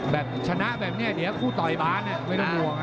แบบชนะแบบนี้เนี่ยเดี๋ยวก็คู่ต่อไปบ้านน่ะไม่ต้องห่วง